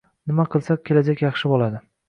nima qilsa — kelajak yaxshi bo‘ladi?